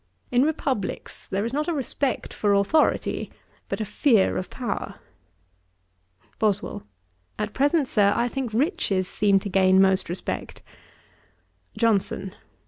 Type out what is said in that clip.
In republicks there is not a respect for authority, but a fear of power.' BOSWELL. 'At present, Sir, I think riches seem to gain most respect.' JOHNSON.